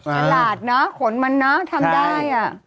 ฉลาดนะขนมันนะทำได้